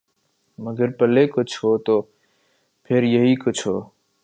مگر پلے کچھ ہو تو پھر ہی کچھ ہو۔